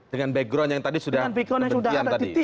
dengan background yang tadi sudah kebencian tadi